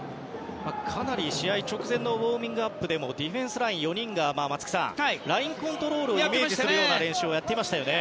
試合直前のウォーミングアップでもディフェンスライン４人が松木さん、ラインコントロールをイメージするような練習をしていましたね。